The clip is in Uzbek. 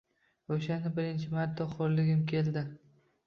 O‘shanda birinchi marta xo‘rligim keldi.